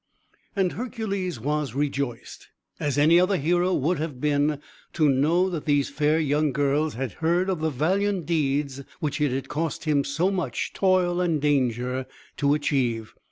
And Hercules was rejoiced, as any other hero would have been, to know that these fair young girls had heard of the valiant deeds which it had cost him so much toil and danger to achieve.